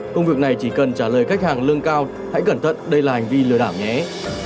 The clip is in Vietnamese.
công việc này chỉ cần trả lời khách hàng lương cao hãy cẩn thận đây là hành vi lừa đảo nhé